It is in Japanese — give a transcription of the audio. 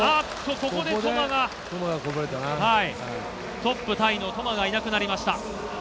ここでトマが、トップタイのトマがいなくなりました。